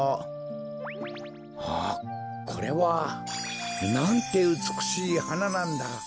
あっこれはなんてうつくしいはななんだ。